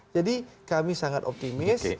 jadi kami sangat optimis